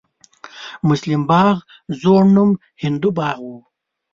مسلم باغ زوړ نوم هندو باغ و